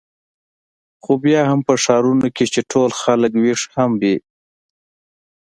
خو بیا هم په ښارونو کې چې ټول خلک وېښ هم وي.